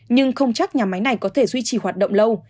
nhưng không chắc nhà máy này có thể duy trì hoạt động lâu